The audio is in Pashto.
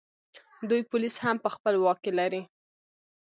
دوی پولیس هم په خپل واک کې لري